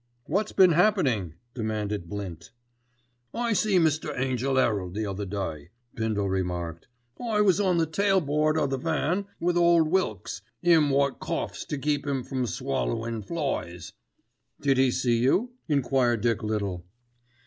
"What's been happening?" demanded Blint. "I see Mr. Angell 'Erald the other day," Bindle remarked. "I was on the tail board o' the van with ole Wilkes, 'im wot coughs to keep 'im from swallowing flies." "Did he see you?" enquired Dick Little.